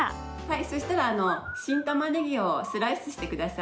そしたら新たまねぎをスライスして下さい。